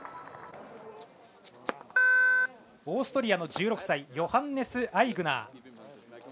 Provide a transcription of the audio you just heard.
オーストリアの１６歳ヨハンネス・アイグナー。